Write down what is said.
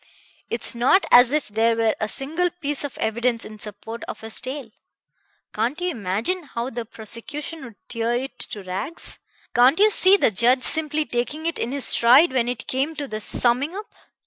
It's not as if there were a single piece of evidence in support of his tale. Can't you imagine how the prosecution would tear it to rags? Can't you see the judge simply taking it in his stride when it came to the summing up?